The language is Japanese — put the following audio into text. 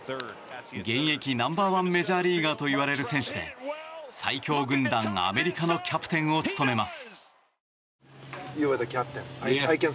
現役ナンバー１メジャーリーガーといわれる選手で最強軍団アメリカのキャプテンを務めます。